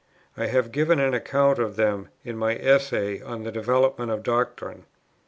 I have given an account of them in my Essay on the Development of Doctrine. Dr.